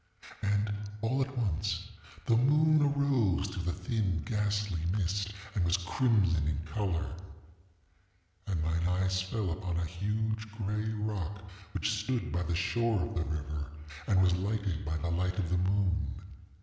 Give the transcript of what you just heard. ŌĆ£And, all at once, the moon arose through the thin ghastly mist, and was crimson in color. And mine eyes fell upon a huge gray rock which stood by the shore of the river, and was lighted by the light of the moon.